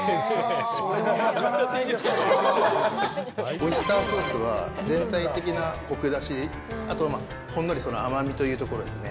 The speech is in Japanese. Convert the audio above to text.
オイスターソースは全体的なコクだし、あとはほんのり甘みというところですね。